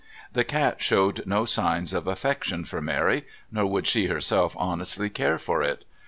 The cat showed no signs of affection for Mary, nor could she herself honestly care for it.